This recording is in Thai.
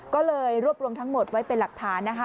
ก็เลยรวบรวมทั้งหมดไว้เป็นหลักฐานนะคะ